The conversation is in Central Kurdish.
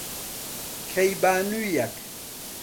کەیبانوویەک،